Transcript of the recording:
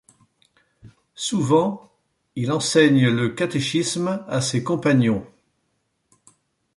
Souvent, il enseigne le catéchisme à ses compagnons.